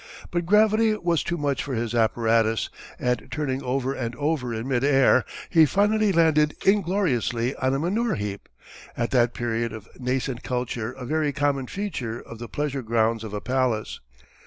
But gravity was too much for his apparatus, and turning over and over in mid air he finally landed ingloriously on a manure heap at that period of nascent culture a very common feature of the pleasure grounds of a palace.